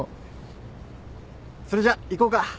それじゃあ行こうか。